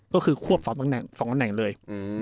ก็คือควบสองตั้งแหน่งเลย